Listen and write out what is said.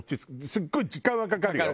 すごい時間はかかるよ。